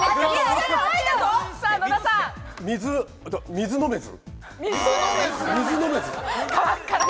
水飲めず。